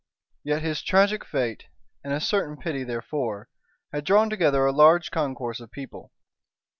Yet his tragic fate, and a certain pity therefore, had drawn together a large concourse of people.